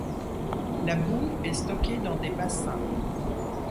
La boue est stockée dans des bassins.